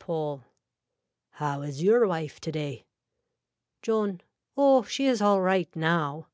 (Paul.) How is your wife today. (John.) Oh she is all right now.